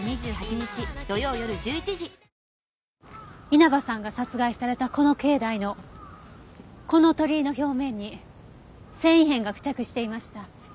稲葉さんが殺害されたこの境内のこの鳥居の表面に繊維片が付着していました。